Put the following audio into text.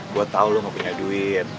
gue tau lo gak punya duit